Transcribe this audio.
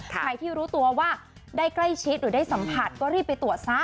ใครที่รู้ตัวว่าได้ใกล้ชิดหรือได้สัมผัสก็รีบไปตรวจซะ